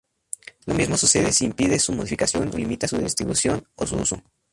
Lo mismo sucede si impide su modificación o limita su redistribución o su uso.